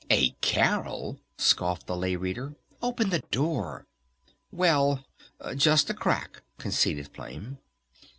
"A Carol?" scoffed the Lay Reader. "Open the door!" "Well just a crack," conceded Flame.